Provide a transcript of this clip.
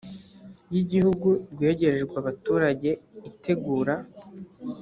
y igihugu rwegerejwe abaturage itegura